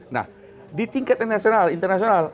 nah di tingkat nasional internasional